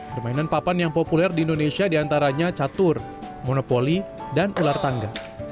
permainan papan yang populer di indonesia diantaranya catur monopoli dan ular tangga